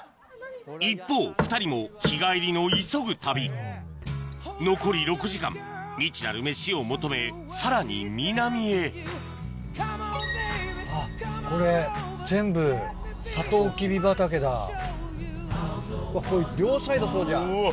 一方２人も日帰りの急ぐ旅残り６時間未知なるメシを求めさらに南へうわこれ両サイドそうじゃん。